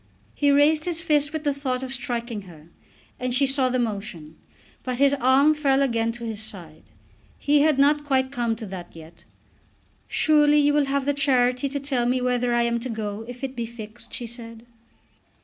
He raised his fist with the thought of striking her, and she saw the motion. But his arm fell again to his side. He had not quite come to that yet. "Surely you will have the charity to tell me whether I am to go, if it be fixed," she said.